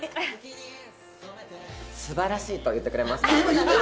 素晴らしいと言ってくれました。